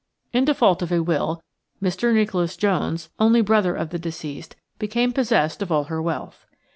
In default of a will, Mr. Nicholas Jones, only brother of the deceased, became possessed of all her wealth.